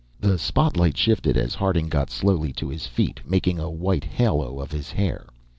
The spotlight shifted as Harding got slowly to his feet, making a white halo of his hair.